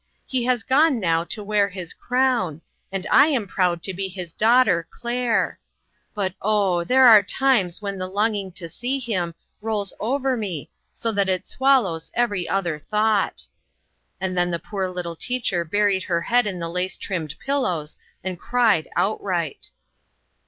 He has gone now to wear his crown, and I am proud to be his daughter Claire. But oh, there are times when the longing to see him rolls over me so that it swallows every other thought." And then the poor little teacher buried her head ii: the lace trimmed pillows and cried outright